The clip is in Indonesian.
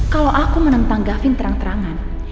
kalau aku menentang gavin terang terangan